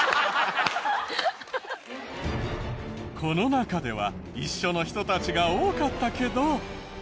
この中では一緒の人たちが多かったけど。